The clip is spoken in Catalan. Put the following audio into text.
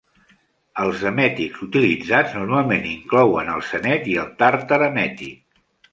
Els emètics utilitzats normalment inclouen el senet i el tàrtar emètic.